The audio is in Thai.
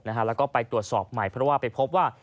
แล้วก็ไปตรวจสอบใหม่เพราะว่าไปพบว่า